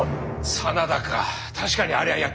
真田か確かにありゃあやっかいじゃ。